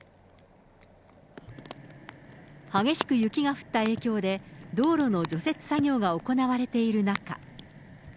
激しく雪が降った影響で、道路の除雪作業が行われている中。